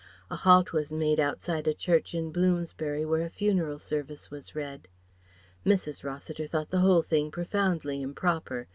A halt was made outside a church in Bloomsbury where a funeral service was read. Mrs. Rossiter thought the whole thing profoundly improper.